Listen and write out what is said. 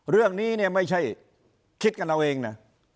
เรื่องนี้เนี่ยไม่ใช่คิดกันเอาเองนะ